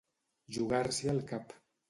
Jugar-s'hi el cap.